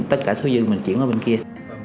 tất cả số dư mình chuyển qua bên kia